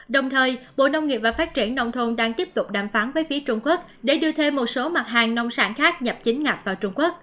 đồng thời bộ nông nghiệp và phát triển nông thôn đang tiếp tục đàm phán với phía trung quốc để đưa thêm một số mặt hàng nông sản khác nhập chính ngạch vào trung quốc